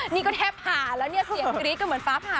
นี่ก็แทบผ่าแล้วเนี่ยเสียงกรี๊ดก็เหมือนฟ้าผ่า